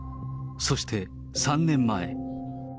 そして３年前。